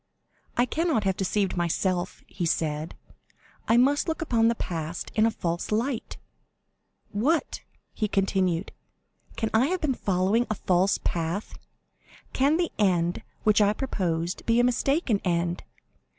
"I cannot have deceived myself," he said; "I must look upon the past in a false light. What!" he continued, "can I have been following a false path?—can the end which I proposed be a mistaken end?